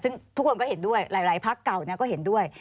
ซึ่งทุกคนก็เห็นด้วยหลายพักเก่าก็เห็นด้วย